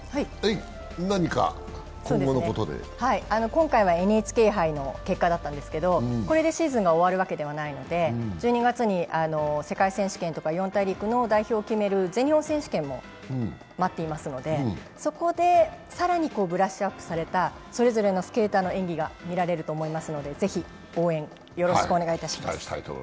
今回はＮＨＫ杯の結果だったんですけど、これでシーズンが終わるわけではないので、１２月に世界選手権とか四大陸の代表を決める全日本選手権も待っていますので、そこで更にブラッシュアップされたそれぞれのスケーターの演技が見られると思いますのでぜひ応援よろしくお願いいたします。